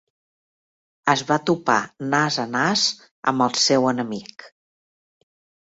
Es va topar nas a nas amb el seu enemic.